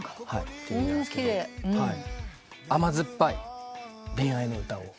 甘酸っぱい恋愛の歌を。